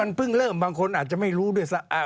มันเพิ่งเริ่มบางคนอาจจะไม่รู้ด้วยซ้ำ